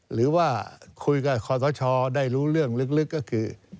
หรือว่าคุยกับคอสชได้รู้เรื่องลึกก็คือ